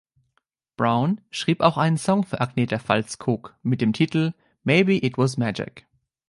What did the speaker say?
Brown schrieb auch einen Song für Agnetha Faltskog mit dem Titel „Maybe it was Magic“.